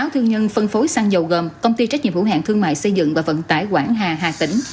sáu thương nhân phân phối xăng dầu gồm công ty trách nhiệm hữu hạng thương mại xây dựng và vận tải quảng hà hà tỉnh